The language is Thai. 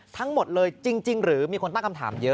ทั้งหมดเลยจริงหรือมีคนตั้งคำถามเยอะ